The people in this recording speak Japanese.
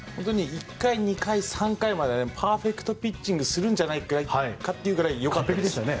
１回、２回、３回まではパーフェクトピッチングするんじゃないかってくらいよかったです。